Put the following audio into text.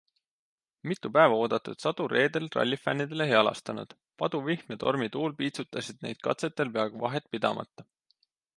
Mitu päeva oodatud sadu reedel rallifännidele ei halastanud - paduvihm ja tormituul piitsutasid neid katsetel peaaegu vahetpidamata.